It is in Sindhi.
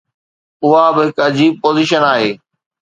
اها به هڪ عجيب پوزيشن آهي.